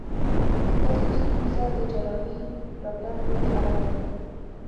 ستاسو ستونزه د جراحي داکټر پورې اړه لري.